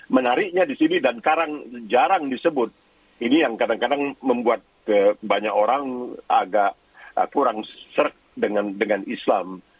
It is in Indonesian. menariknya di sini dan jarang disebut ini yang kadang kadang membuat banyak orang agak kurang serk dengan islam